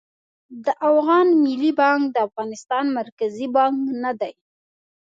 د افغان ملي بانک د افغانستان مرکزي بانک نه دي